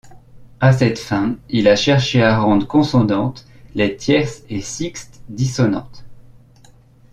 À cette fin, il a cherché à rendre consonantes les tierces et sixtes dissonantes.